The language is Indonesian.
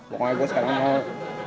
pokoknya gue sekarang mau